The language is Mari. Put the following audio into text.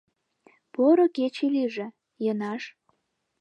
— Поро кече лийже, Йынаш!